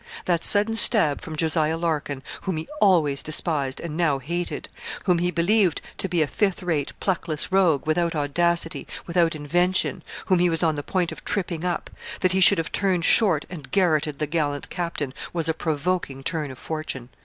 That sudden stab from Jos. Larkin, whom he always despised, and now hated whom he believed to be a fifth rate, pluckless rogue, without audacity, without invention; whom he was on the point of tripping up, that he should have turned short and garotted the gallant captain, was a provoking turn of fortune.